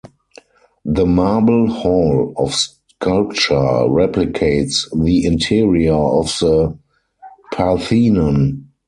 The marble Hall of Sculpture replicates the interior of the Parthenon.